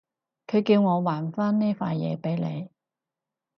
佢叫我還返呢塊嘢畀你